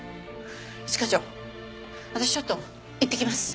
一課長私ちょっと行ってきます。